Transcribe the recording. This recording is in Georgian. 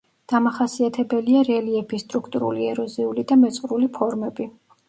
დამახასიათებელია რელიეფის სტრუქტურული ეროზიული და მეწყრული ფორმები.